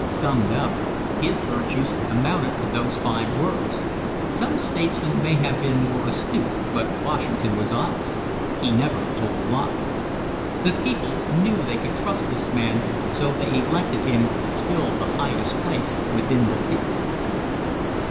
Summed up, his virtues amounted to those five words. Some statesmen may have been more astute but Washington was honest "he never told a lie." The people knew they could trust this man so they elected him to fill the highest place within their gift.